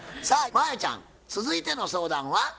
さあ真彩ちゃん続いての相談は？